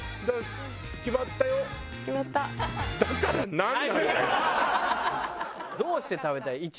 どうして食べたい？